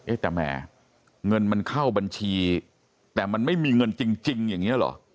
แต่แหมเงินมันเข้าบัญชีแต่มันไม่มีเงินจริงอย่างนี้เหรอ